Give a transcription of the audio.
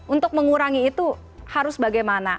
untuk mengurangi itu harus bagaimana